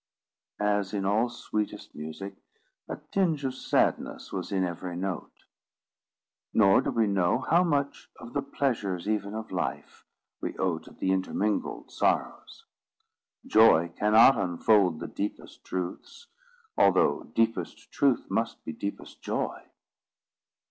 As in all sweetest music, a tinge of sadness was in every note. Nor do we know how much of the pleasures even of life we owe to the intermingled sorrows. Joy cannot unfold the deepest truths, although deepest truth must be deepest joy.